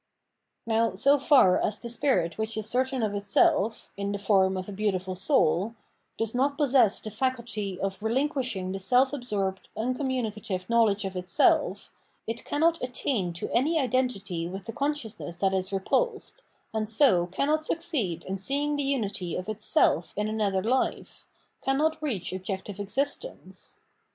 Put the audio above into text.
Now, so far as the spirit which is certain of itself, in the form of a " beautiful soul," does not possess the faculty of relinquishing the self absorbed uncommunicative know ledge of itself, it cannot attain to any identity with the consciousness that is repulsed, and so cannot suc ceed in seeing the unity of its self in another life, cannot reach objective existence.